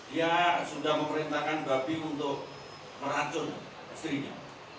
dia sudah memerintahkan babi untuk meracun istrinya